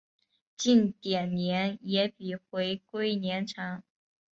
近点年也比回归年长。